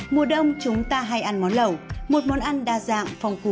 mùa đông chúng ta hay ăn món lẩu một món ăn đa dạng phong phú có thể chế biến